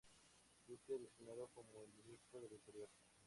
Duque designado como el ministro del interior.